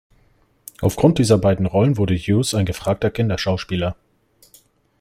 Aufgrund dieser beiden Rollen wurde Hughes ein gefragter Kinderschauspieler.